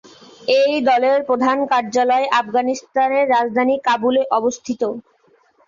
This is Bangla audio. এই দলের প্রধান কার্যালয় আফগানিস্তানের রাজধানী কাবুলে অবস্থিত।